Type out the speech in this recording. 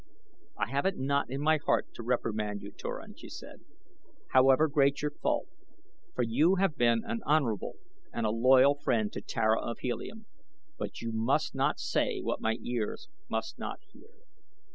"I have it not in my heart to reprimand you, Turan," she said, "however great your fault, for you have been an honorable and a loyal friend to Tara of Helium; but you must not say what my ears must not hear."